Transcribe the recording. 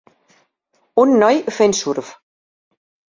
Un noi fent surf.